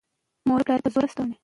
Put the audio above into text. دا پوښتنې پر ځای دي.